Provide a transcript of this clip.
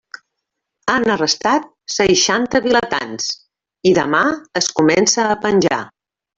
Han arrestat seixanta vilatans, i demà es comença a penjar.